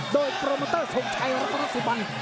โดยโปรโมเตอร์ทรงชัยรัตนสุบัน